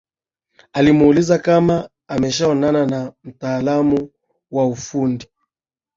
Alimuuliza kama ameshaonana na mtaalamu wa ufundi